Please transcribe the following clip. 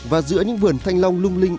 và giữa những vườn thanh long lung linh